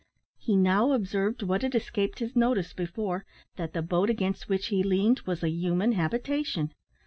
He now observed, what had escaped his notice before, that the boat against which he leaned was a human habitation.